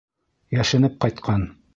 Йәшенеп ҡайтҡан!